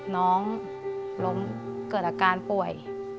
น้องล้มเกิดอาการป่วย